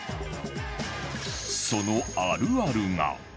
そのあるあるが